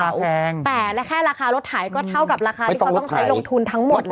เอาแท้และแค่ราคารถ่ายก็เท่ากับราคาที่ควรต้องใช้ลงทุนทั้งหมดแล้ว